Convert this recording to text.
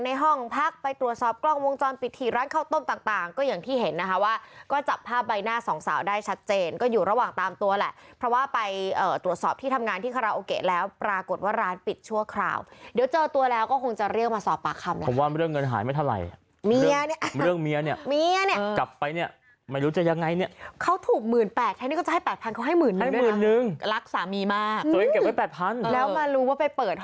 ในห้องพักไปตรวจสอบกล้องวงจรปิดถี่ร้านข้าวต้มต่างก็อย่างที่เห็นนะคะว่าก็จับภาพใบหน้าสองสาวได้ชัดเจนก็อยู่ระหว่างตามตัวแหละเพราะว่าไปตรวจสอบที่ทำงานที่คาราโอเกะแล้วปรากฏว่าร้านปิดชั่วคราวเดี๋ยวเจอตัวแล้วก็คงจะเรียกมาสอบปากคำแล้วผมว่าเรื่องเงินหายไม่เท่าไหร่เมียเนี่ยเมี